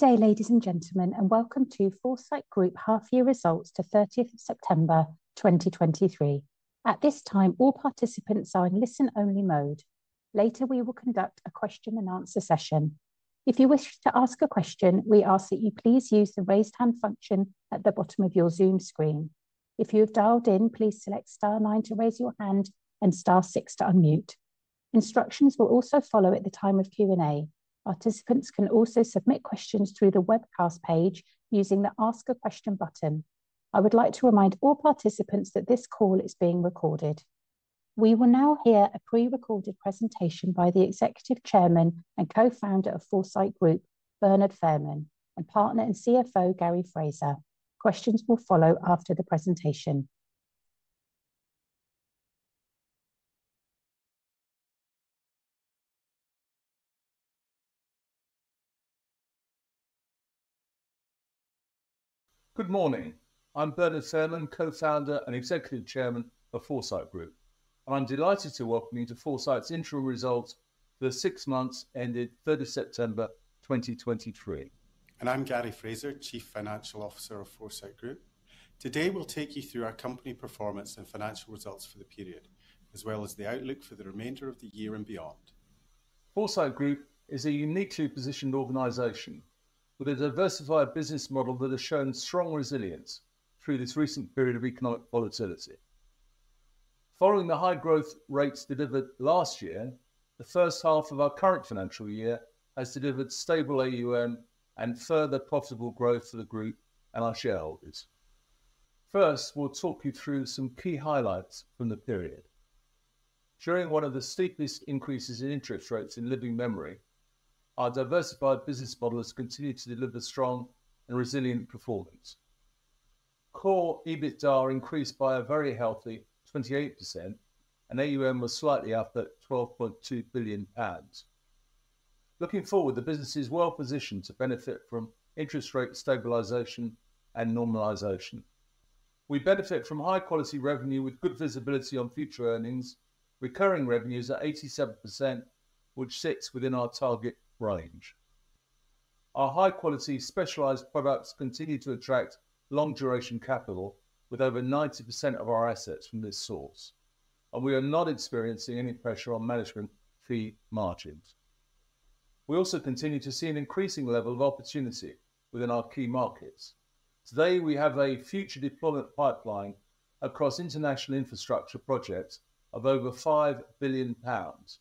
Good day, ladies and gentlemen, and welcome to Foresight Group half-year results to 13th of September 2023. At this time, all participants are in listen-only mode. Later, we will conduct a question and answer session. If you wish to ask a question, we ask that you please use the raise hand function at the bottom of your Zoom screen. If you have dialed in, please select star nine to raise your hand and star six to unmute. Instructions will also follow at the time of Q&A. Participants can also submit questions through the webcast page using the Ask a Question button. I would like to remind all participants that this call is being recorded. We will now hear a pre-recorded presentation by the Executive Chairman and Co-founder of Foresight Group, Bernard Fairman, and Partner and CFO, Gary Fraser. Questions will follow after the presentation. Good morning. I'm Bernard Fairman, Co-founder and Executive Chairman of Foresight Group. I'm delighted to welcome you to Foresight's interim results for the six months ended 13th of September, 2023. I'm Gary Fraser, Chief Financial Officer of Foresight Group. Today, we'll take you through our company performance and financial results for the period, as well as the outlook for the remainder of the year and beyond. Foresight Group is a uniquely positioned organization with a diversified business model that has shown strong resilience through this recent period of economic volatility. Following the high growth rates delivered last year, the first half of our current financial year has delivered stable AUM and further profitable growth for the group and our shareholders. First, we'll talk you through some key highlights from the period. During one of the steepest increases in interest rates in living memory, our diversified business model has continued to deliver strong and resilient performance. Core EBITDA increased by a very healthy 28%, and AUM was slightly up at 12.2 billion pounds. Looking forward, the business is well positioned to benefit from interest rate stabilization and normalization. We benefit from high-quality revenue with good visibility on future earnings. Recurring revenues are 87%, which sits within our target range. Our high-quality specialized products continue to attract long-duration capital, with over 90% of our assets from this source, and we are not experiencing any pressure on management fee margins. We also continue to see an increasing level of opportunity within our key markets. Today, we have a future deployment pipeline across international infrastructure projects of over 5 billion pounds,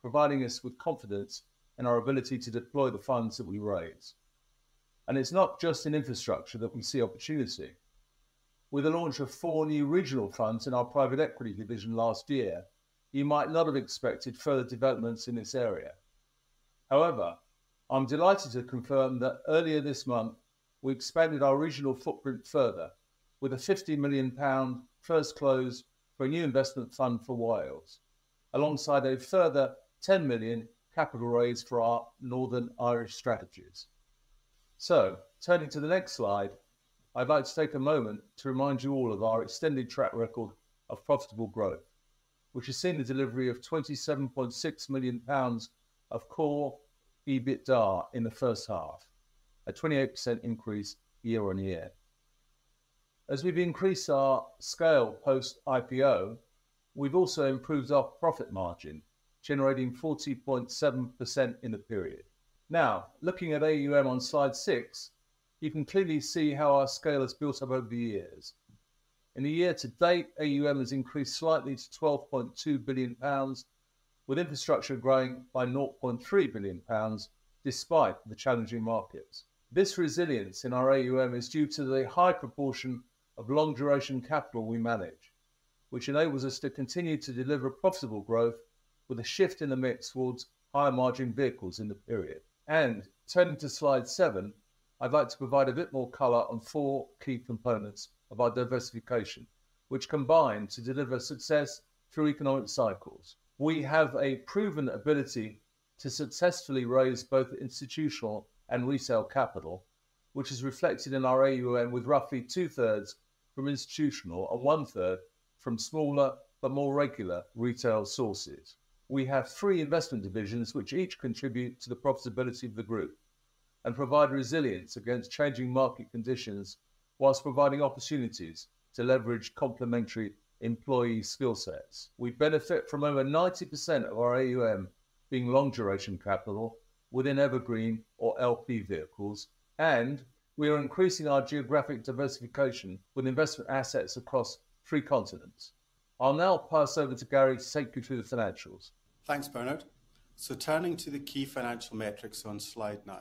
providing us with confidence in our ability to deploy the funds that we raise. And it's not just in infrastructure that we see opportunity. With the launch of four new regional funds in our private equity division last year, you might not have expected further developments in this area. However, I'm delighted to confirm that earlier this month, we expanded our regional footprint further with a 50 million pound first close for a new investment fund for Wales, alongside a further 10 million capital raise for our Northern Irish strategies. Turning to the next slide, I'd like to take a moment to remind you all of our extended track record of profitable growth, which has seen the delivery of 27.6 million pounds of Core EBITDA in the first half, a 28% increase year-on-year. As we've increased our scale post-IPO, we've also improved our profit margin, generating 40.7% in the period. Now, looking at AUM on slide 6, you can clearly see how our scale has built up over the years. In the year-to-date, AUM has increased slightly to 12.2 billion pounds, with infrastructure growing by 0.3 billion pounds, despite the challenging markets. This resilience in our AUM is due to the high proportion of long-duration capital we manage, which enables us to continue to deliver profitable growth with a shift in the mix towards higher margin vehicles in the period. Turning to slide 7, I'd like to provide a bit more color on 4 key components of our diversification, which combine to deliver success through economic cycles. We have a proven ability to successfully raise both institutional and resale capital, which is reflected in our AUM, with roughly 2/3 from institutional and 1/3 from smaller but more regular retail sources. We have three investment divisions which each contribute to the profitability of the group and provide resilience against changing market conditions, while providing opportunities to leverage complementary employee skill sets. We benefit from over 90% of our AUM being long-duration capital within evergreen or LP vehicles, and we are increasing our geographic diversification with investment assets across three continents. I'll now pass over to Gary to take you through the financials. Thanks, Bernard. Turning to the key financial metrics on slide 9.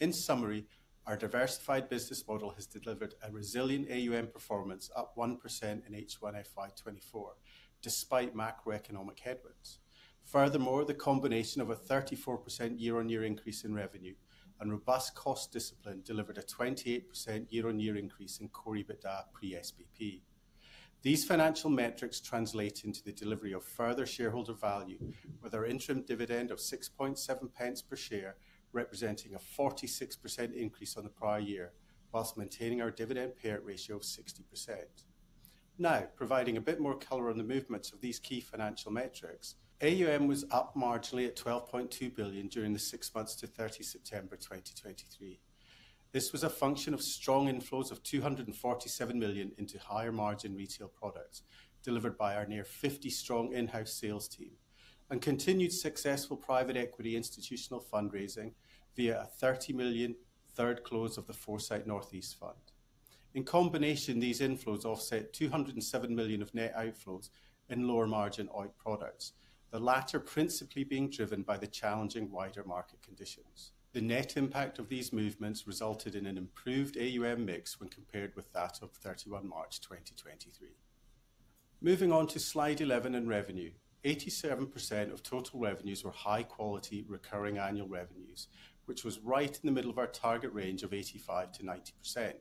In summary, our diversified business model has delivered a resilient AUM performance, up 1% in H1 FY 2024, despite macroeconomic headwinds. Furthermore, the combination of a 34% year-on-year increase in revenue and robust cost discipline delivered a 28% year-on-year increase in core EBITDA pre SBP. These financial metrics translate into the delivery of further shareholder value, with our interim dividend of 0.067 per share, representing a 46% increase on the prior year, whilst maintaining our dividend payout ratio of 60%. Now, providing a bit more color on the movements of these key financial metrics. AUM was up marginally at 12.2 billion during the six months to 30 September, 2023. This was a function of strong inflows of 247 million into higher margin retail products, delivered by our near 50-strong in-house sales team, and continued successful private equity institutional fundraising via a 30 million third close of the Foresight North East Fund. In combination, these inflows offset 207 million of net outflows in lower margin OEIC products, the latter principally being driven by the challenging wider market conditions. The net impact of these movements resulted in an improved AUM mix when compared with that of 31 March, 2023. Moving on to slide 11 in revenue. 87% of total revenues were high quality, recurring annual revenues, which was right in the middle of our target range of 85% to 90%.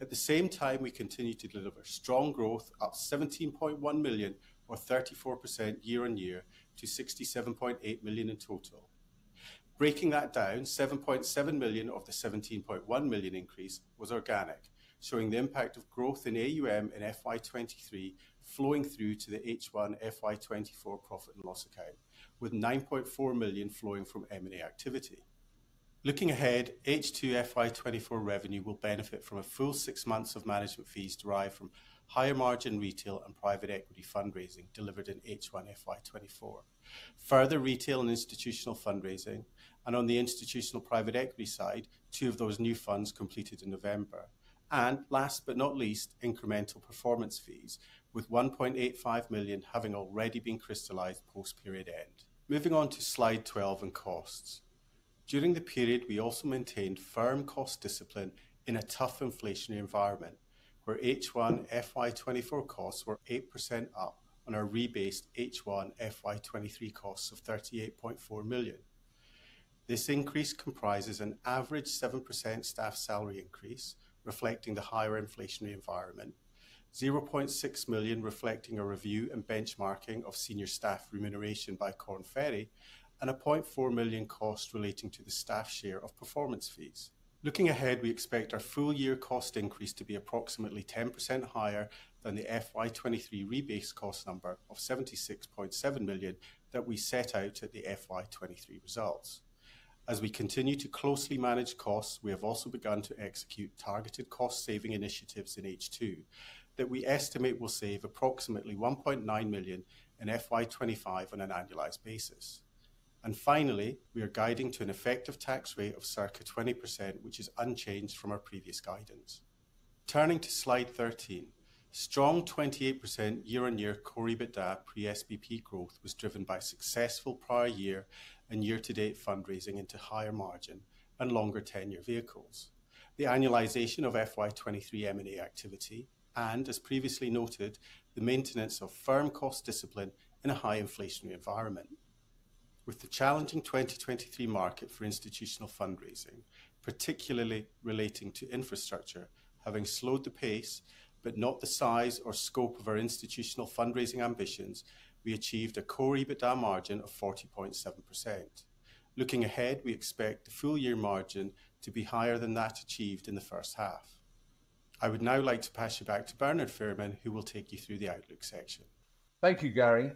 At the same time, we continued to deliver strong growth, up 17.1 million, or 34% year-on-year, to 67.8 million in total. Breaking that down, 7.7 million of the 17.1 million increase was organic, showing the impact of growth in AUM in FY 2023 flowing through to the H1 FY 2024 profit and loss account, with 9.4 million flowing from M&A activity. Looking ahead, H2 FY 2024 revenue will benefit from a full six months of management fees derived from higher margin retail and private equity fundraising delivered in H1 FY 2024. Further retail and institutional fundraising, and on the institutional private equity side, two of those new funds completed in November. And last but not least, incremental performance fees, with 1.85 million having already been crystallized post-period end. Moving on to slide 12 in costs. During the period, we also maintained firm cost discipline in a tough inflationary environment, where H1 FY 2024 costs were 8% up on our rebased H1 FY 2023 costs of 38.4 million. This increase comprises an average 7% staff salary increase, reflecting the higher inflationary environment, 0.6 million reflecting a review and benchmarking of senior staff remuneration by Korn Ferry, and a 0.4 million cost relating to the staff share of performance fees. Looking ahead, we expect our full-year cost increase to be approximately 10% higher than the FY 2023 rebase cost number of 76.7 million that we set out at the FY 2023 results. As we continue to closely manage costs, we have also begun to execute targeted cost-saving initiatives in H2, that we estimate will save approximately 1.9 million in FY 2025 on an annualized basis. And finally, we are guiding to an effective tax rate of circa 20%, which is unchanged from our previous guidance. Turning to slide 13. Strong 28% year-on-year core EBITDA pre SBP growth was driven by successful prior year and year-to-date fundraising into higher margin and longer tenure vehicles. The annualization of FY 2023 M&A activity, and as previously noted, the maintenance of firm cost discipline in a high inflationary environment. With the challenging 2023 market for institutional fundraising, particularly relating to infrastructure, having slowed the pace, but not the size or scope of our institutional fundraising ambitions, we achieved a core EBITDA margin of 40.7%. Looking ahead, we expect the full-year margin to be higher than that achieved in the first half. I would now like to pass you back to Bernard Fairman, who will take you through the outlook section. Thank you, Gary.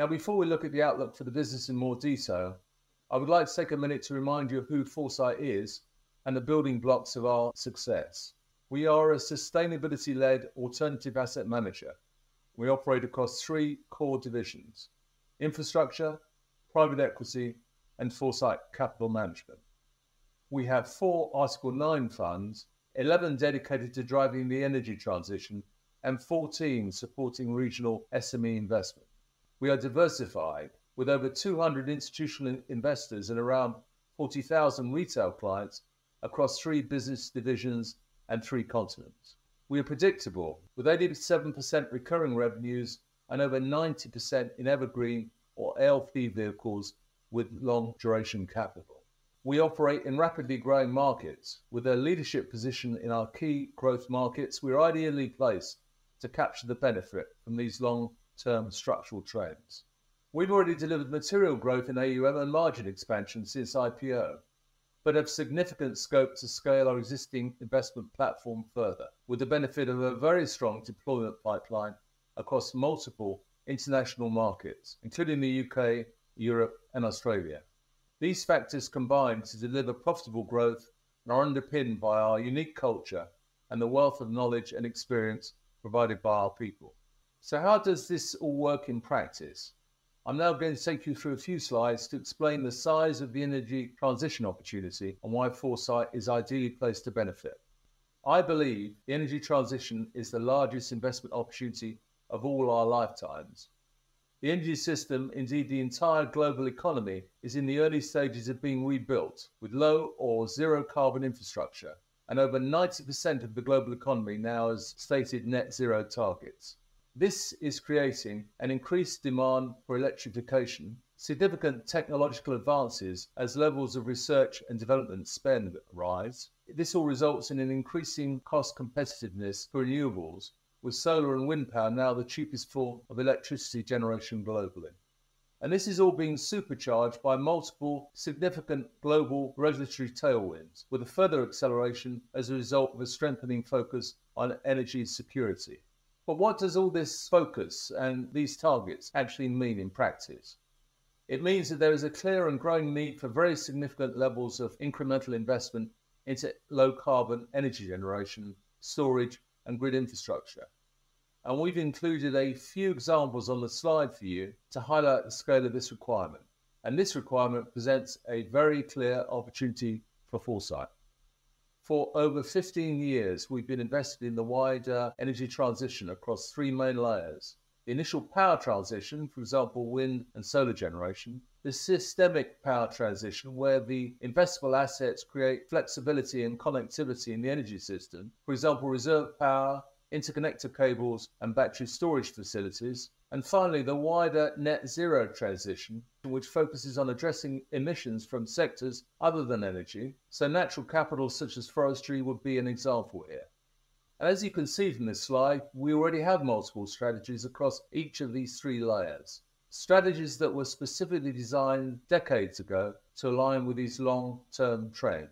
Now, before we look at the outlook for the business in more detail, I would like to take a minute to remind you of who Foresight is and the building blocks of our success. We are a sustainability-led alternative asset manager. We operate across three core divisions: infrastructure, private equity, and Foresight Capital Management. We have four Article Nine funds, 11 dedicated to driving the energy transition, and 14 supporting regional SME investment. We are diversified with over 200 institutional investors and around 40,000 retail clients across three business divisions and three continents. We are predictable, with 87% recurring revenues and over 90% in evergreen or LP vehicles with long duration capital. We operate in rapidly growing markets. With a leadership position in our key growth markets, we are ideally placed to capture the benefit from these long-term structural trends. We've already delivered material growth in AUM and margin expansion since IPO, but have significant scope to scale our existing investment platform further, with the benefit of a very strong deployment pipeline across multiple international markets, including the U.K., Europe, and Australia. These factors combine to deliver profitable growth and are underpinned by our unique culture and the wealth of knowledge and experience provided by our people. So how does this all work in practice? I'm now going to take you through a few slides to explain the size of the energy transition opportunity and why Foresight is ideally placed to benefit. I believe the energy transition is the largest investment opportunity of all our lifetimes. The energy system, indeed, the entire global economy, is in the early stages of being rebuilt with low or zero carbon infrastructure, and over 90% of the global economy now has stated net zero targets. This is creating an increased demand for electrification, significant technological advances as levels of research and development spend rise. This all results in an increasing cost competitiveness for renewables, with solar and wind power now the cheapest form of electricity generation globally. And this is all being supercharged by multiple significant global regulatory tailwinds, with a further acceleration as a result of a strengthening focus on energy security. But what does all this focus and these targets actually mean in practice? It means that there is a clear and growing need for very significant levels of incremental investment into low-carbon energy generation, storage, and grid infrastructure. We've included a few examples on the slide for you to highlight the scale of this requirement, and this requirement presents a very clear opportunity for Foresight. For over 15 years, we've been invested in the wider energy transition across three main layers: the initial power transition, for example, wind and solar generation; the systemic power transition, where the investable assets create flexibility and connectivity in the energy system, for example, reserve power, interconnector cables, and battery storage facilities; and finally, the wider net zero transition, which focuses on addressing emissions from sectors other than energy, so natural capital, such as forestry, would be an example here. As you can see from this slide, we already have multiple strategies across each of these three layers. Strategies that were specifically designed decades ago to align with these long-term trends.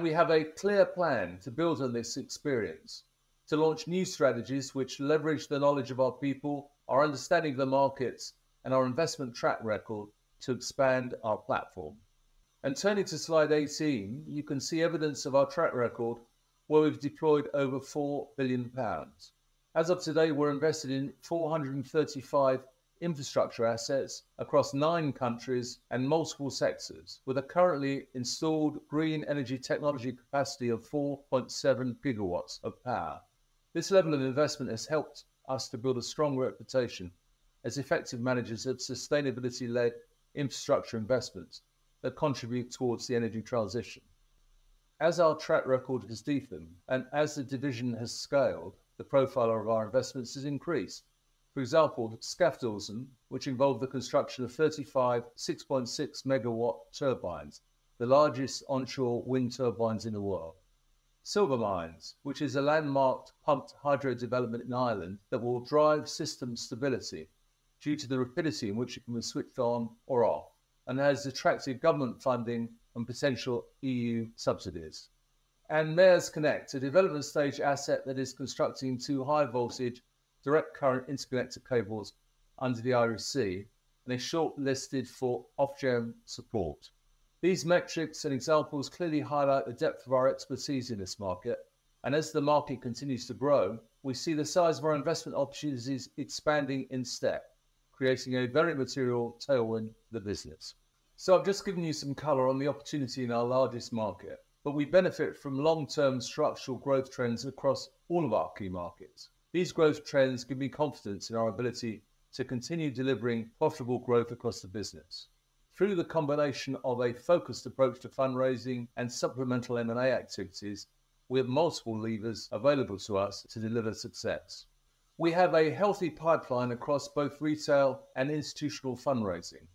We have a clear plan to build on this experience, to launch new strategies which leverage the knowledge of our people, our understanding of the markets, and our investment track record to expand our platform. Turning to slide 18, you can see evidence of our track record, where we've deployed over 4 billion pounds. As of today, we're invested in 435 infrastructure assets across nine countries and multiple sectors, with a currently installed green energy technology capacity of 4.7 GW of power. This level of investment has helped us to build a strong reputation as effective managers of sustainability-led infrastructure investments that contribute towards the energy transition. As our track record has deepened, and as the division has scaled, the profile of our investments has increased. For example, Skaftåsen, which involved the construction of 35 6.6 MW turbines, the largest onshore wind turbines in the world. Silvermines, which is a landmarked pumped hydro development in Ireland that will drive system stability due to the rapidity in which it can be switched on or off, and has attracted government funding and potential EU subsidies. And MaresConnect, a development stage asset that is constructing two high-voltage direct current interconnector cables under the Irish Sea, and is shortlisted for Ofgem support. These metrics and examples clearly highlight the depth of our expertise in this market, and as the market continues to grow, we see the size of our investment opportunities expanding in step, creating a very material tailwind in the business. So I've just given you some color on the opportunity in our largest market, but we benefit from long-term structural growth trends across all of our key markets. These growth trends give me confidence in our ability to continue delivering profitable growth across the business. Through the combination of a focused approach to fundraising and supplemental M&A activities, we have multiple levers available to us to deliver success. We have a healthy pipeline across both retail and institutional fundraising.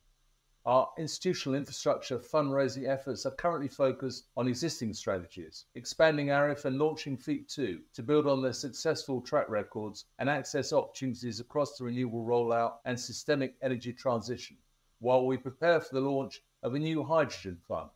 Our institutional infrastructure fundraising efforts are currently focused on existing strategies, expanding ARIF and launching FEIP II to build on their successful track records and access opportunities across the renewable rollout and systemic energy transition, while we prepare for the launch of a new hydrogen fund.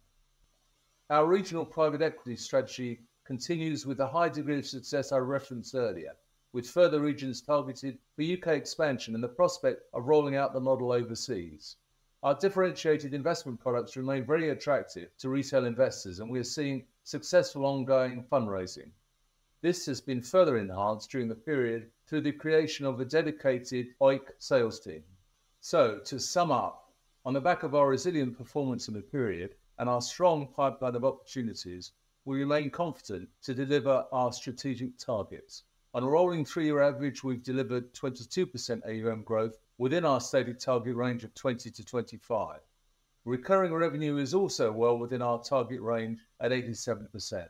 Our regional private equity strategy continues with a high degree of success I referenced earlier, with further regions targeted for UK expansion and the prospect of rolling out the model overseas. Our differentiated investment products remain very attractive to retail investors, and we are seeing successful ongoing fundraising. This has been further enhanced during the period through the creation of a dedicated OEIC sales team. So to sum up, on the back of our resilient performance in the period and our strong pipeline of opportunities, we remain confident to deliver our strategic targets. On a rolling three-year average, we've delivered 22% AUM growth within our stated target range of 20% to 25%. Recurring revenue is also well within our target range at 87%.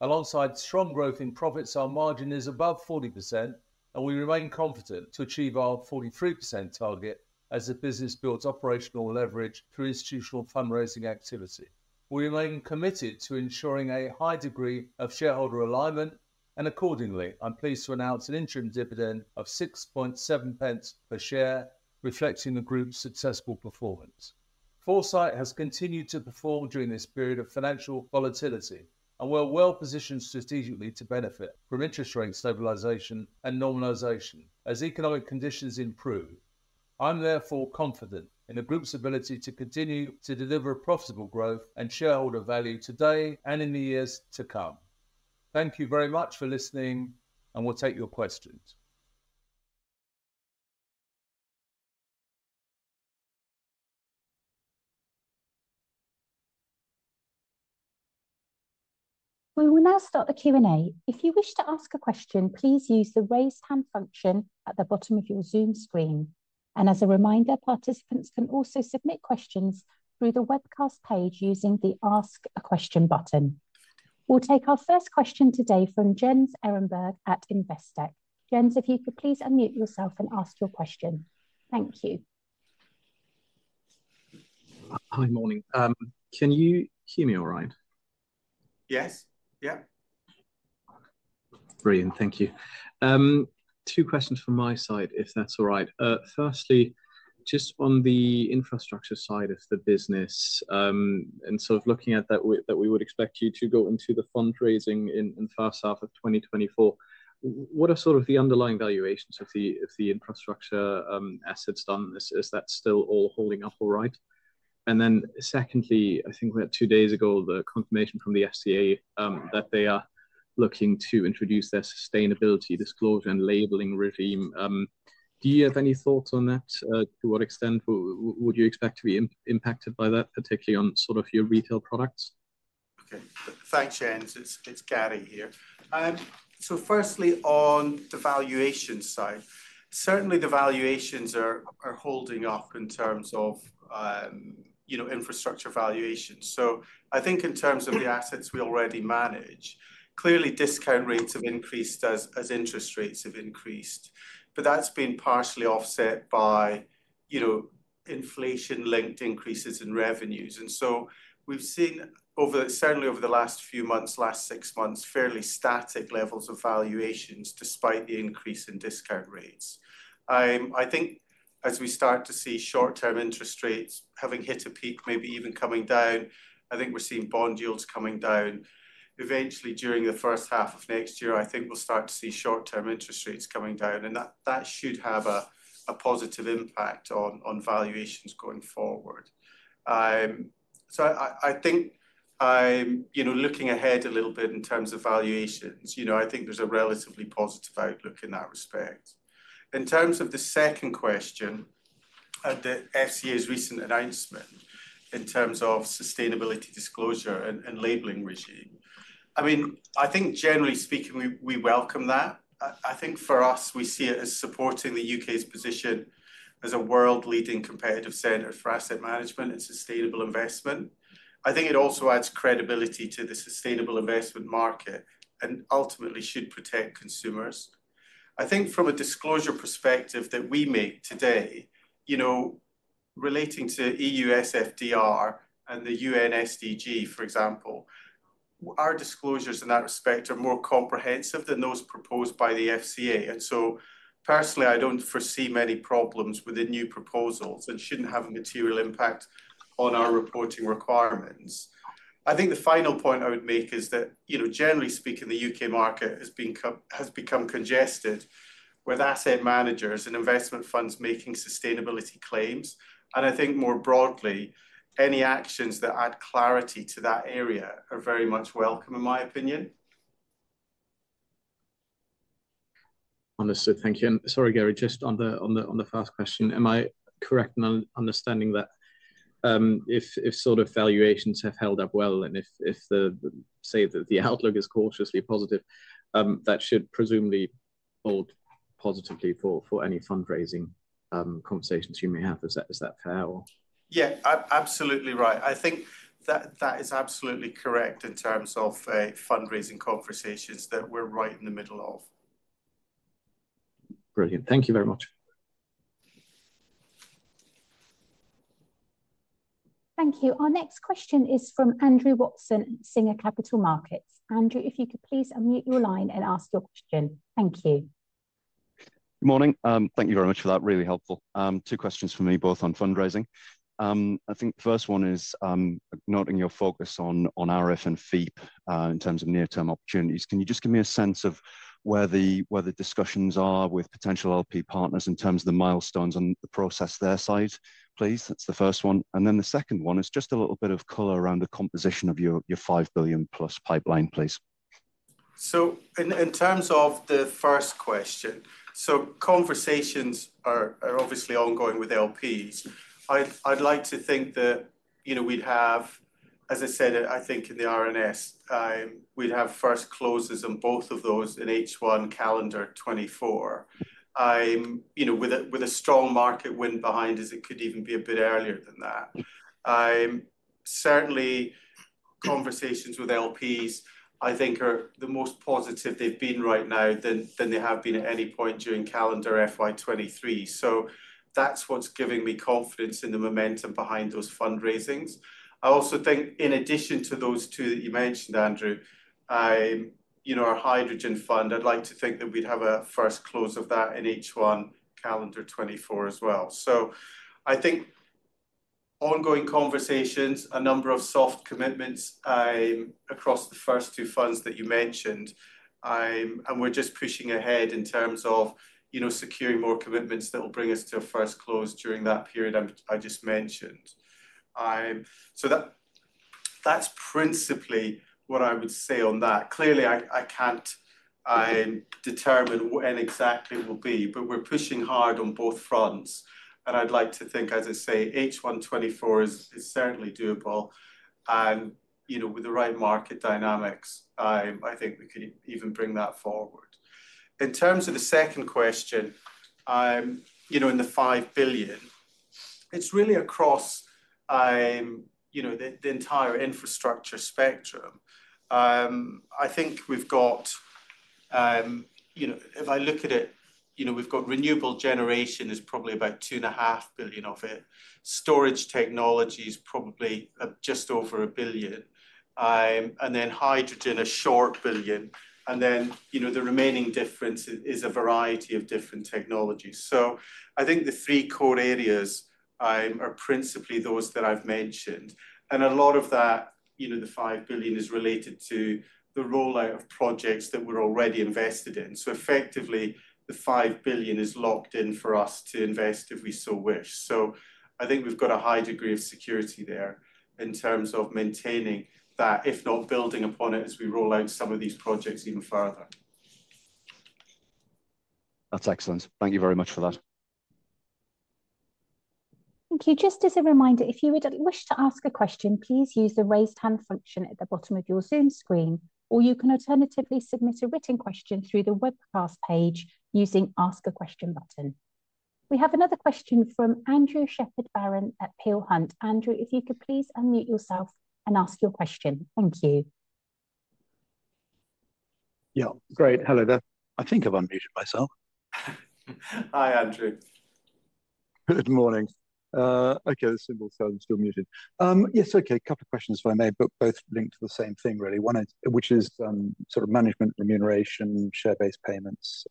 Alongside strong growth in profits, our margin is above 40%, and we remain confident to achieve our 43% target as the business builds operational leverage through institutional fundraising activity. We remain committed to ensuring a high degree of shareholder alignment, and accordingly, I'm pleased to announce an interim dividend of 0.067 per share, reflecting the group's successful performance. Foresight has continued to perform during this period of financial volatility and we're well positioned strategically to benefit from interest rate stabilization and normalization as economic conditions improve. I'm therefore confident in the group's ability to continue to deliver profitable growth and shareholder value today and in the years to come. Thank you very much for listening, and we'll take your questions. We will now start the Q&A. If you wish to ask a question, please use the raise hand function at the bottom of your Zoom screen. As a reminder, participants can also submit questions through the webcast page using the Ask a Question button. We'll take our first question today from Jens Ehrenberg at Investec. Jens, if you could please unmute yourself and ask your question. Thank you. Hi. Morning. Can you hear me all right? Yes. Yeah. Brilliant, thank you. Two questions from my side, if that's all right. Firstly, just on the infrastructure side of the business, and sort of looking at that we would expect you to go into the fundraising in first half of 2024. What are sort of the underlying valuations of the infrastructure assets done? Is that still all holding up all right? And then secondly, I think we had two days ago, the confirmation from the FCA that they are looking to introduce their sustainability disclosure and labeling regime. Do you have any thoughts on that? To what extent would you expect to be impacted by that, particularly on sort of your retail products? Okay. Thanks, James. It's Gary here. So firstly, on the valuation side. Certainly, the valuations are holding up in terms of, you know, infrastructure valuations. So I think in terms of the assets we already manage, clearly discount rates have increased as interest rates have increased. But that's been partially offset by, you know, inflation-linked increases in revenues. And so we've seen, certainly over the last few months, last six months, fairly static levels of valuations despite the increase in discount rates. I think as we start to see short-term interest rates having hit a peak, maybe even coming down, I think we're seeing bond yields coming down. Eventually, during the first half of next year, I think we'll start to see short-term interest rates coming down, and that should have a positive impact on valuations going forward. So I think, you know, looking ahead a little bit in terms of valuations, you know, I think there's a relatively positive outlook in that respect. In terms of the second question, at the FCA's recent announcement in terms of sustainability disclosure and labeling regime. I mean, I think generally speaking, we welcome that. I think for us, we see it as supporting the U.K.'s position as a world-leading competitive center for asset management and sustainable investment. I think it also adds credibility to the sustainable investment market and ultimately should protect consumers. I think from a disclosure perspective that we make today, you know, relating to EU SFDR and the UN SDG, for example, our disclosures in that respect are more comprehensive than those proposed by the FCA. So personally, I don't foresee many problems with the new proposals. It shouldn't have a material impact on our reporting requirements. I think the final point I would make is that, you know, generally speaking, the U.K. market has become congested with asset managers and investment funds making sustainability claims. I think more broadly, any actions that add clarity to that area are very much welcome, in my opinion. Understood. Thank you. And sorry, Gary, just on the first question, am I correct in understanding that, if sort of valuations have held up well, and if the outlook is cautiously positive, that should presumably hold positively for any fundraising conversations you may have. Is that fair? Yeah, absolutely right. I think that is absolutely correct in terms of fundraising conversations that we're right in the middle of. Brilliant. Thank you very much. Thank you. Our next question is from Andrew Watson, Singer Capital Markets. Andrew, if you could please unmute your line and ask your question. Thank you. Good morning. Thank you very much for that, really helpful. Two questions from me, both on fundraising. I think the first one is, noting your focus on ARIF and FEIP, in terms of near-term opportunities. Can you just give me a sense of where the, where the discussions are with potential LP partners in terms of the milestones and the process their side, please? That's the first one. And then the second one is just a little bit of color around the composition of your, your 5 billion plus pipeline, please. So in terms of the first question, so conversations are obviously ongoing with LPs. I'd like to think that, you know, we'd have, as I said, I think in the RNS, we'd have first closes on both of those in H1 calendar 2024. You know, with a strong market wind behind us, it could even be a bit earlier than that. Certainly conversations with LPs, I think are the most positive they've been right now than they have been at any point during calendar FY 2023. So that's what's giving me confidence in the momentum behind those fundraisings. I also think in addition to those two that you mentioned, Andrew, you know, our hydrogen fund, I'd like to think that we'd have a first close of that in H1 calendar 2024 as well. So I think ongoing conversations, a number of soft commitments, across the first two funds that you mentioned, and we're just pushing ahead in terms of, you know, securing more commitments that will bring us to a first close during that period I just mentioned. So that, that's principally what I would say on that. Clearly, I can't determine when exactly it will be, but we're pushing hard on both fronts, and I'd like to think, as I say, H1 2024 is certainly doable. And, you know, with the right market dynamics, I think we could even bring that forward. In terms of the second question, you know, in the 5 billion, it's really across, you know, the, the entire infrastructure spectrum. I think we've got, you know, if I look at it, you know, we've got renewable generation is probably about 2.5 billion of it. Storage technology is probably just over 1 billion. And then hydrogen, a short billion, and then, you know, the remaining difference is a variety of different technologies. So I think the three core areas are principally those that I've mentioned. And a lot of that, you know, the 5 billion is related to the rollout of projects that we're already invested in. So effectively, the 5 billion is locked in for us to invest if we so wish. So I think we've got a high degree of security there in terms of maintaining that, if not building upon it, as we roll out some of these projects even further. That's excellent. Thank you very much for that. Thank you. Just as a reminder, if you would wish to ask a question, please use the raise hand function at the bottom of your Zoom screen, or you can alternatively submit a written question through the webcast page using Ask a Question button. We have another question from Andrew Shepherd-Barron at Peel Hunt. Andrew, if you could please unmute yourself and ask your question. Thank you. Yeah, great. Hello there. I think I've unmuted myself. Hi, Andrew. Good morning. A couple of questions, if I may, but both linked to the same thing, really. One is, which is, sort of management remuneration and share-based payments,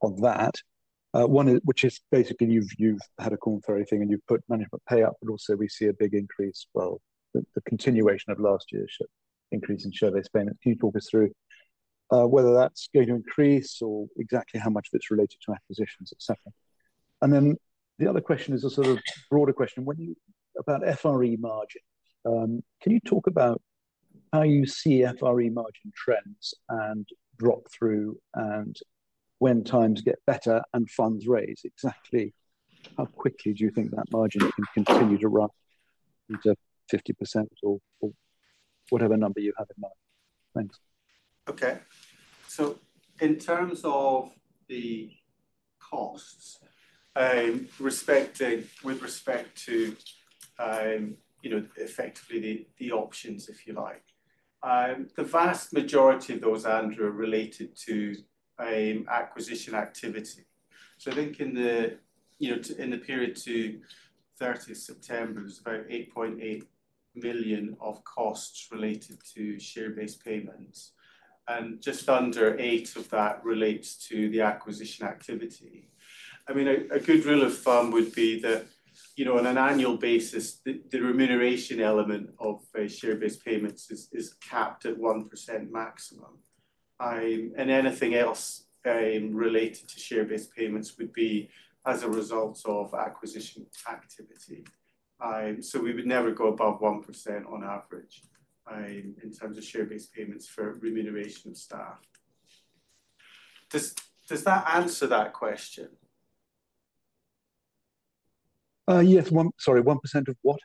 on that. One is, which is basically you've, you've had a call for everything and you've put management pay up, but also we see a big increase. Well, the continuation of last year's increase in share-based payments. Can you talk us through whether that's going to increase or exactly how much of it's related to acquisitions, et cetera? And then the other question is a sort of broader question. When you, about FRE margins, can you talk about how you see FRE margin trends and drop-through? When times get better and funds raise, exactly how quickly do you think that margin can continue to rise to 50% or whatever number you have in mind? Thanks. Okay. So in terms of the costs, with respect to, you know, effectively the options, if you like. The vast majority of those, Andrew, are related to acquisition activity. So I think in the period to 13th of September, there's about 8.8 million of costs related to share-based payments, and just under 8 million of that relates to the acquisition activity. I mean, a good rule of thumb would be that, you know, on an annual basis, the remuneration element of share-based payments is capped at 1% maximum. And anything else related to share-based payments would be as a result of acquisition activity. So we would never go above 1% on average, in terms of share-based payments for remuneration of staff. Does that answer that question? Yes. Sorry, 1% of what?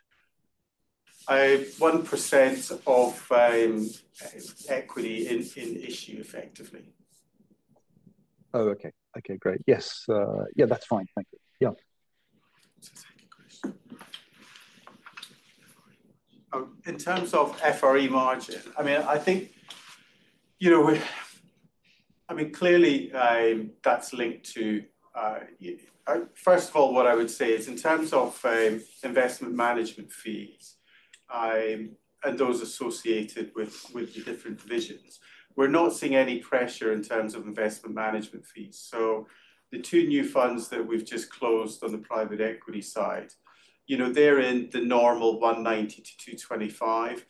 1% of equity in issue effectively. Oh, okay. Okay, great. Yes, yeah, that's fine. Thank you. Yeah. So the second question. In terms of FRE margin, I mean, I think, you know, I mean, clearly, that's linked to. First of all, what I would say is in terms of investment management fees and those associated with the different divisions, we're not seeing any pressure in terms of investment management fees. So the two new funds that we've just closed on the private equity side, you know, they're in the normal 190 to 225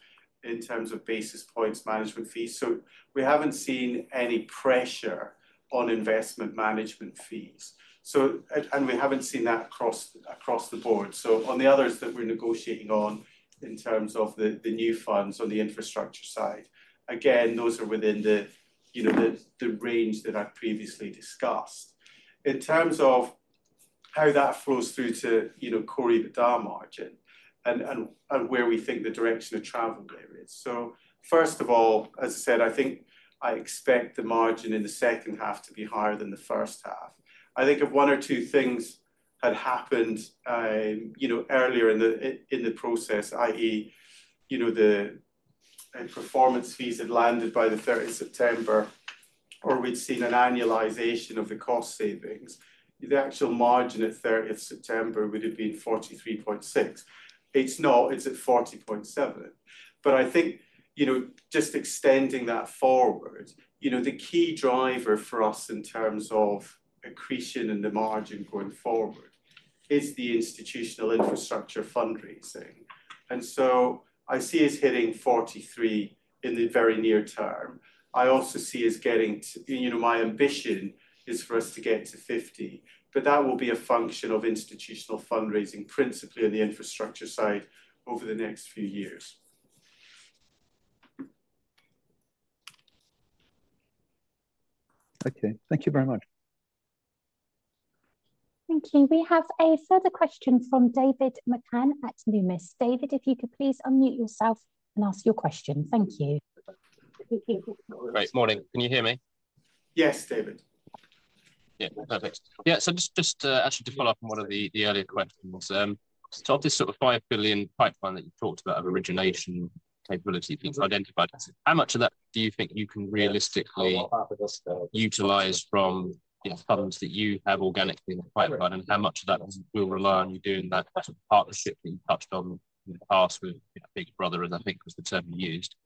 basis points management fees. So we haven't seen any pressure on investment management fees, so. And we haven't seen that across the board. So on the others that we're negotiating on, in terms of the new funds or the infrastructure side, again, those are within the, you know, the range that I've previously discussed. In terms of how that flows through to, you know, core EBITDA margin and where we think the direction of travel there is. So first of all, as I said, I think I expect the margin in the second half to be higher than the first half. I think if one or two things had happened, you know, earlier in the process, i.e., you know, the performance fees had landed by the 13th of September, or we'd seen an annualization of the cost savings, the actual margin at 13th of September would have been 43.6. It's not, it's at 40.7. But I think, you know, just extending that forward, you know, the key driver for us in terms of accretion and the margin going forward is the institutional infrastructure fundraising. So I see us hitting 43 in the very near term. I also see us getting to, you know, my ambition is for us to get to 50, but that will be a function of institutional fundraising, principally on the infrastructure side over the next few years. Okay, thank you very much. Thank you. We have a further question from David McCann at Numis. David, if you could please unmute yourself and ask your question. Thank you. Great, morning. Can you hear me? Yes, David. Yeah, perfect. Yeah, so just actually to follow up on one of the earlier questions. So of this sort of 5 billion pipeline that you've talked about of origination capability being identified, how much of that do you think you can realistically utilize from the funds that you have organically in the pipeline? And how much of that will rely on you doing that sort of partnership that you touched on in the past with, you know, Big Brother, as I think was the term you used.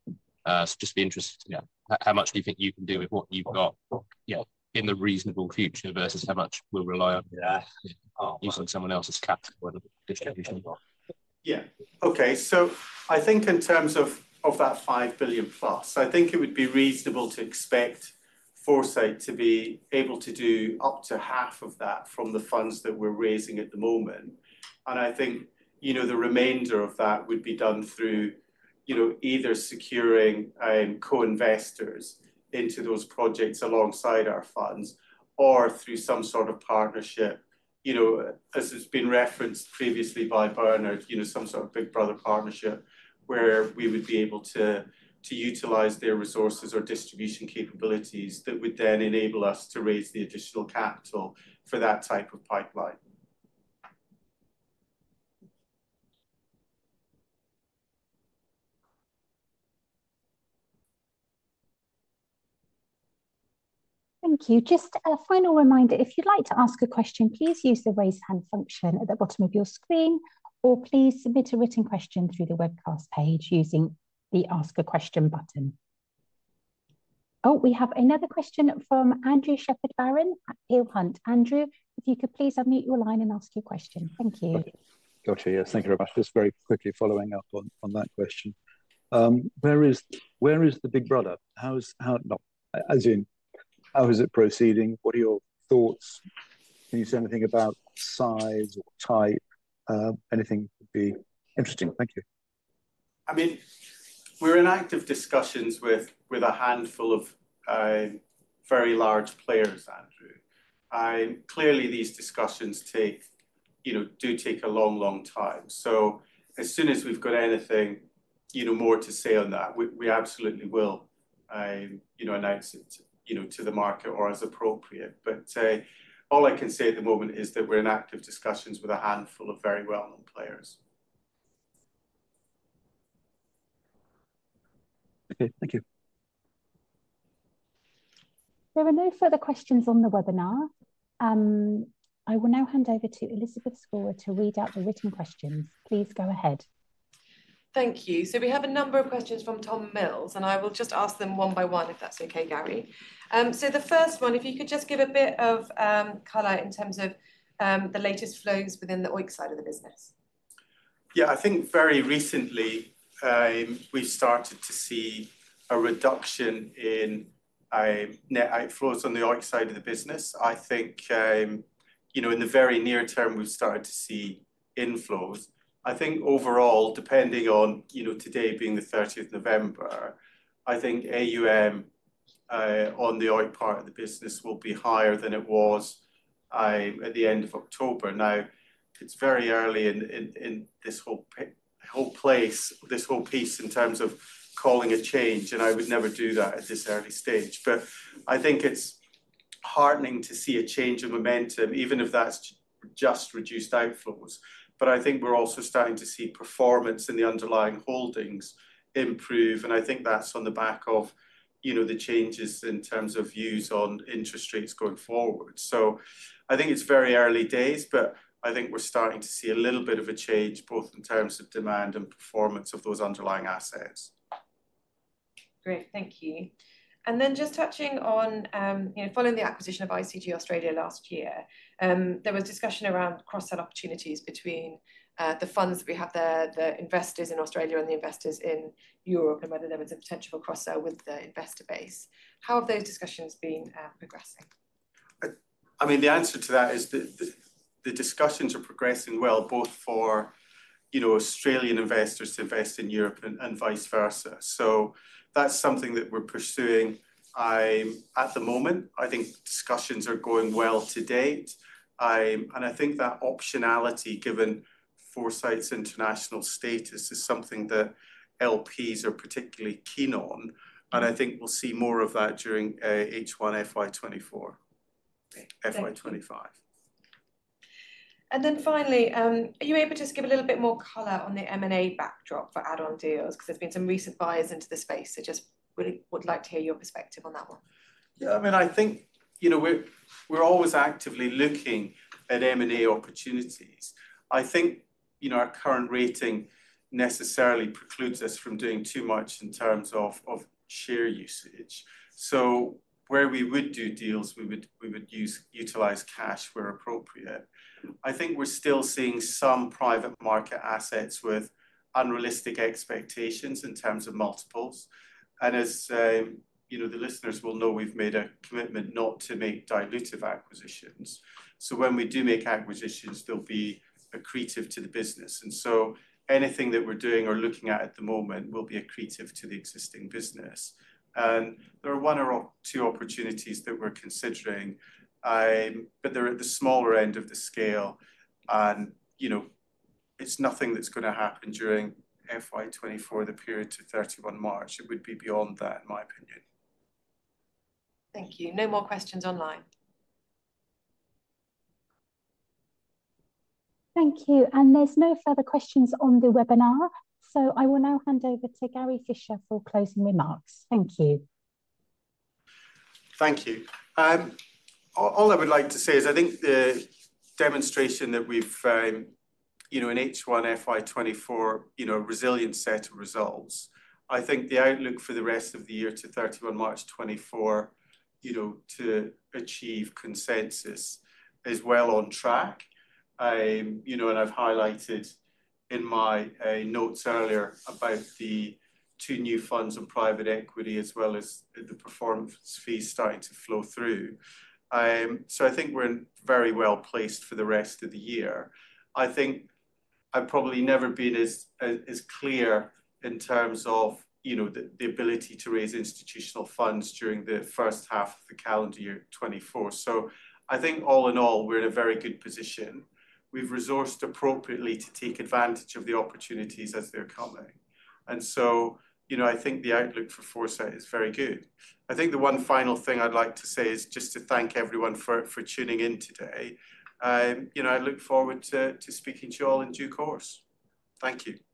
So just be interested to know how much do you think you can do with what you've got, you know, in the reasonable future versus how much will rely on using someone else's capital or distribution? Yeah. Okay. So I think in terms of, of that 5 billion plus, I think it would be reasonable to expect Foresight to be able to do up to half of that from the funds that we're raising at the moment. And I think, you know, the remainder of that would be done through, you know, either securing co-investors into those projects alongside our funds or through some sort of partnership. You know, as has been referenced previously by Bernard, you know, some sort of Big Brother partnership where we would be able to, to utilize their resources or distribution capabilities that would then enable us to raise the additional capital for that type of pipeline. Thank you. Just a final reminder, if you'd like to ask a question, please use the raise hand function at the bottom of your screen, or please submit a written question through the webcast page using the Ask a Question button. Oh, we have another question from Andrew Shepherd-Barron at Peel Hunt. Andrew, if you could please unmute your line and ask your question. Thank you. Got you. Yes, thank you very much. Just very quickly following up on that question. Where is the Big Brother? How, as in, how is it proceeding? What are your thoughts? Can you say anything about size or type? Anything would be interesting. Thank you. I mean, we're in active discussions with a handful of very large players, Andrew. Clearly, these discussions take, you know, do take a long, long time. So as soon as we've got anything, you know, more to say on that, we absolutely will, you know, announce it, you know, to the market or as appropriate. But all I can say at the moment is that we're in active discussions with a handful of very well-known players. Okay. Thank you. There are no further questions on the webinar. I will now hand over to Elizabeth Scorer to read out the written questions. Please go ahead. Thank you. So we have a number of questions from Tom Mills, and I will just ask them one by one, if that's okay, Gary. So the first one, if you could just give a bit of color in terms of the latest flows within the OEIC side of the business. Yeah, I think very recently, we've started to see a reduction in net outflows on the OEIC side of the business. I think, you know, in the very near term we've started to see inflows. I think overall, depending on, you know, today being the 30 of November, I think AUM on the OEIC part of the business will be higher than it was at the end of October. Now, it's very early in this whole piece in terms of calling a change, and I would never do that at this early stage. But I think it's heartening to see a change of momentum, even if that's just reduced outflows. But I think we're also starting to see performance in the underlying holdings improve, and I think that's on the back of, you know, the changes in terms of views on interest rates going forward. So I think it's very early days, but I think we're starting to see a little bit of a change, both in terms of demand and performance of those underlying assets. Great, thank you. Then just touching on, you know, following the acquisition of ICG Australia last year, there was discussion around cross-sell opportunities between the funds that we have there, the investors in Australia and the investors in Europe, and whether there was a potential for cross-sell with the investor base. How have those discussions been progressing? I mean, the answer to that is the discussions are progressing well, both for, you know, Australian investors to invest in Europe and vice versa. So that's something that we're pursuing. At the moment, I think discussions are going well to date. And I think that optionality, given Foresight's international status, is something that LPs are particularly keen on, and I think we'll see more of that during H1 FY 2024-FY 2025. Okay. Then finally, are you able to just give a little bit more color on the M&A backdrop for add-on deals? Because there's been some recent buyers into the space, so just really would like to hear your perspective on that one. Yeah, I mean, I think, you know, we're, we're always actively looking at M&A opportunities. I think, you know, our current rating necessarily precludes us from doing too much in terms of, of share usage. So where we would do deals, we would utilize cash where appropriate. I think we're still seeing some private market assets with unrealistic expectations in terms of multiples, and as, you know, the listeners will know, we've made a commitment not to make dilutive acquisitions. So when we do make acquisitions, they'll be accretive to the business. And so anything that we're doing or looking at at the moment will be accretive to the existing business. There are one or two opportunities that we're considering, but they're at the smaller end of the scale and, you know, it's nothing that's going to happen during FY 2024, the period to 31 March. It would be beyond that, in my opinion. Thank you. No more questions online. Thank you, and there's no further questions on the webinar. So I will now hand over to Gary Fraser for closing remarks. Thank you. Thank you. All I would like to say is, I think the demonstration that we've, you know, in H1 FY 2024, you know, resilient set of results. I think the outlook for the rest of the year to 31 March, 2024, you know, to achieve consensus is well on track. You know, and I've highlighted in my notes earlier about the two new funds and private equity, as well as the performance fees starting to flow through. So I think we're in very well-placed for the rest of the year. I think I've probably never been as clear in terms of, you know, the ability to raise institutional funds during the first half of the calendar year 2024. So I think all in all, we're in a very good position. We've resourced appropriately to take advantage of the opportunities as they're coming. And so, you know, I think the outlook for Foresight is very good. I think the one final thing I'd like to say is just to thank everyone for tuning in today. You know, I look forward to speaking to you all in due course. Thank you.